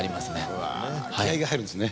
うわ気合いが入るんですね。